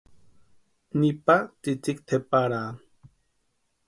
Nipa tsïtsïki tʼeparaani.